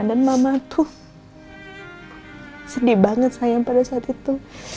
dan mama itu sedih banget sayang pada saat itu